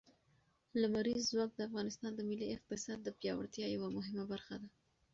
لمریز ځواک د افغانستان د ملي اقتصاد د پیاوړتیا یوه مهمه برخه ده.